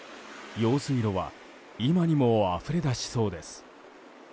用水路は今にもあふれ出しそうです。